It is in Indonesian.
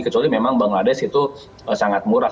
kecuali memang bangladesh itu sangat murah